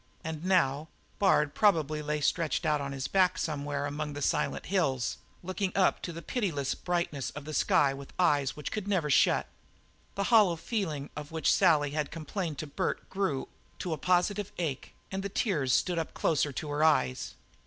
And now Bard probably lay stretched on his back somewhere among the silent hills looking up to the pitiless brightness of the sky with eyes which could never shut. The hollow feeling of which Sally had complained to Bert grew to a positive ache, and the tears stood up closer to her eyes.